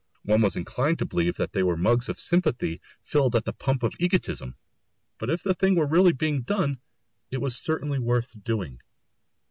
One was inclined to believe that they were mugs of sympathy filled at the pump of egotism! But if the thing were really being done, it was certainly worth doing!